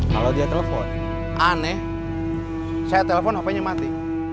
kalau dia telepon aneh saya telepon hp nya mati